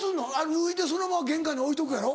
脱いでそのまま玄関に置いとくやろ？